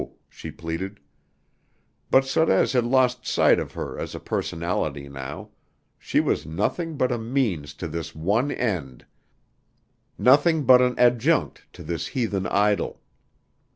she pleaded. But Sorez had lost sight of her as a personality now; she was nothing but a means to this one end; nothing but an adjunct to this heathen idol.